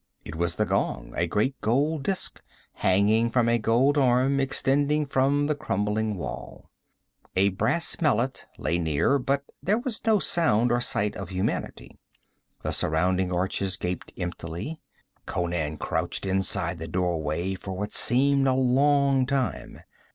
It was the gong, a great gold disk, hanging from a gold arm extending from the crumbling wall. A brass mallet lay near, but there was no sound or sight of humanity. The surrounding arches gaped emptily. Conan crouched inside the doorway for what seemed a long time.